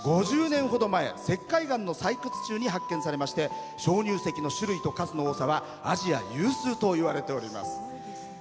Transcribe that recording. ５０年ほど前、石灰岩の採掘中に発見されまして鍾乳石の種類と数の多さはアジア有数といわれております。